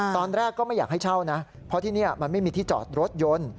ตอนแรกก็ไม่อยากให้เช่านะเพราะที่นี่มันไม่มีที่จอดรถยนต์